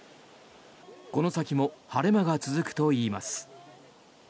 この先も晴れ間が続くといいます。